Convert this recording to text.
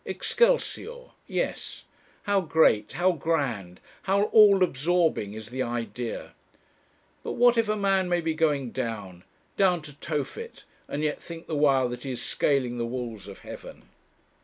'Excelsior'! Yes; how great, how grand, how all absorbing is the idea! But what if a man may be going down, down to Tophet, and yet think the while that he is scaling the walls of heaven?